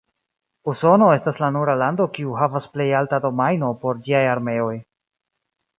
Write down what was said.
Usono estas la nura lando kiu havas plejalta domajno por ĝiaj armeoj.